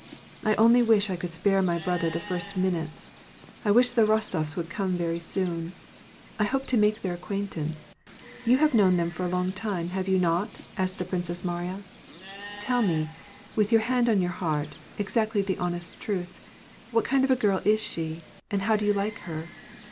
I only wish I could spare my brother the first minutes. I wish the Rostofs would come very soon. I hope to make her acquaintance. You have known them for a long time, have you not ?" asked the Princess Ma riya. " Tell me, with your hand on your heart, exafctly the honest truth ; what kind of a girl is she, and how do you like her